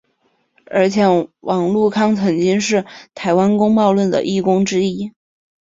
而且王康陆曾经是台湾公论报的义工之一。